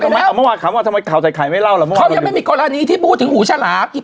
โหเมื่อเล่าซู่ตายหูฉลาม